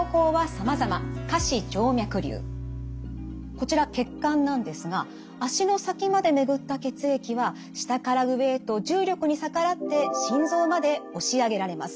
こちら血管なんですが足の先まで巡った血液は下から上へと重力に逆らって心臓まで押し上げられます。